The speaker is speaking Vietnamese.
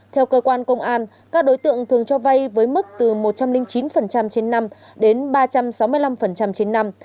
theo cơ quan công an các đối tượng thường cho vay với mức từ một trăm linh chín trên năm đến ba trăm sáu mươi năm trên năm